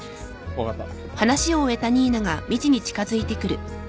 分かった。